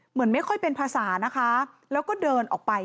เหมือนไม่ค่อยเป็นภาษานะคะแล้วก็เดินออกไป